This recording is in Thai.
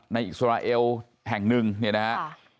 ในอิสราเอลแห่ง๑เนี่ยนะฮะ